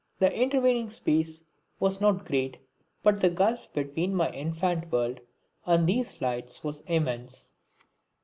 The intervening space was not great but the gulf between my infant world and these lights was immense.